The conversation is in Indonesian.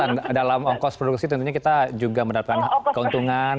dalam ongkos produksi tentunya kita juga mendapatkan keuntungan